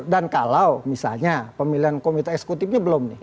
dan kalau misalnya pemilihan komite eksekutifnya belum nih